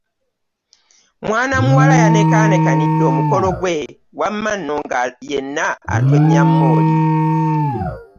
Mwana muwala yanekanekanidde omukolo gwe wama nno nga yena atonya mooli.